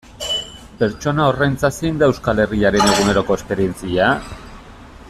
Pertsona horrentzat zein da Euskal Herriaren eguneroko esperientzia?